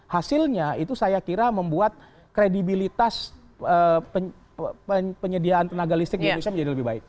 hasilnya itu saya kira membuat kredibilitas penyediaan tenaga listrik di indonesia menjadi lebih baik